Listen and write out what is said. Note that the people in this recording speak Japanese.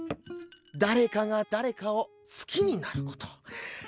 誰かが誰かを好きになること。